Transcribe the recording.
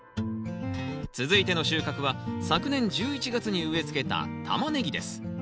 続いての収穫は昨年１１月に植えつけたタマネギです。